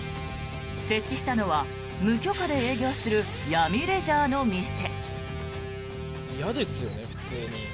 設置したのは無許可で営業する闇レジャーの店。